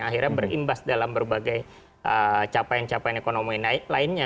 akhirnya berimbas dalam berbagai capaian capaian ekonomi lainnya